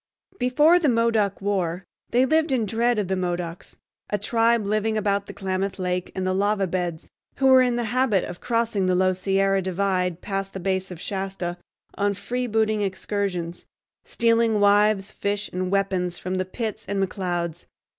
Before the Modoc War they lived in dread of the Modocs, a tribe living about the Klamath Lake and the Lava Beds, who were in the habit of crossing the low Sierra divide past the base of Shasta on freebooting excursions, stealing wives, fish, and weapons from the Pitts and McClouds.